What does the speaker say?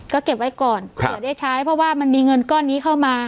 ก็เก็บไว้ก่อนเผื่อได้ใช้เพราะว่ามันมีเงินก้อนนี้เข้ามา